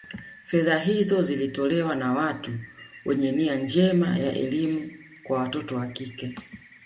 Fedha hizo zilitolewa na watu wenye nia njema ya elimu kwa watoto wa kike